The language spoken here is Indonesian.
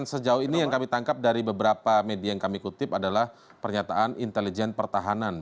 sejauh ini yang kami tangkap dari beberapa media yang kami kutip adalah pernyataan intelijen pertahanan